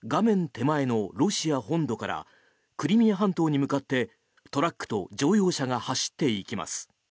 手前のロシア本土からクリミア半島に向かってトラックと乗用車が走っていきます。